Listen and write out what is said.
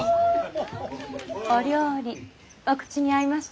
お料理お口に合いましたか？